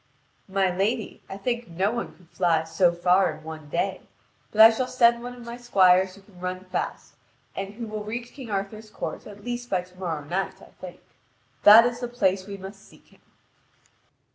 "My lady, I think no one could fly so far in one day. But I shall send one of my squires who can run fast, and who will reach King Arthur's court at least by to morrow night, I think; that is the place we must seek for him."